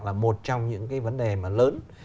là một trong những cái vấn đề mà lớn